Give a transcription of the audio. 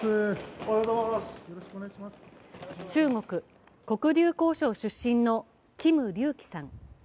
中国・黒竜江省出身の金龍喜さん。